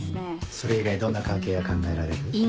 それ以外どんな関係が考えられる？